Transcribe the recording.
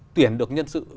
tuyển được nhân sự